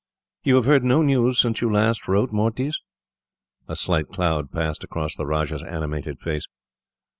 "You have heard no news since you last wrote, Mortiz?" A slight cloud passed across the Rajah's animated face.